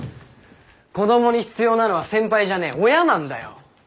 子どもに必要なのは先輩じゃねえ親なんだよ。